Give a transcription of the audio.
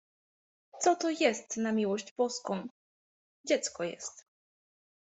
— Co to jest, na miłość boską? — Dziecko jest.